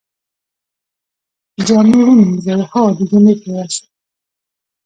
جامی ومینځئ؟ هو، د جمعې په ورځ